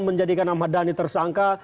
menjadikan ahmad dhani tersangka